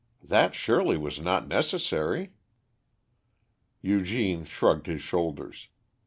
That, surely, was not necessary." Eugène shrugged his shoulders.